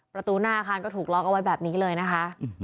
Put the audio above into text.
ประตูหน้าอาคารก็ถูกล็อกเอาไว้แบบนี้เลยนะคะ